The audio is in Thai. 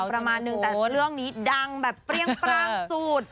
ประมาณนึงแต่เรื่องนี้ดังแบบเปรี้ยงปร่างสูตร